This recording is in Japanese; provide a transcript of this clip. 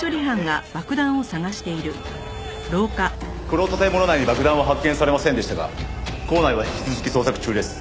この建物内に爆弾は発見されませんでしたが構内は引き続き捜索中です。